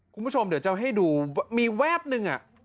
คุณผู้ชมเดี๋ยวจะให้ดูมีแวบนึง